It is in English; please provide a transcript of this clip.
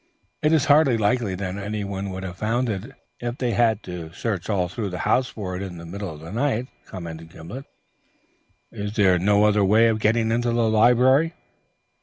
"It is hardly likely that anyone would have found it if they had had to search all through the house for it in the middle of the night," commented Gimblet. "Is there no other way of getting into the library?"